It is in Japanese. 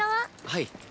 はい。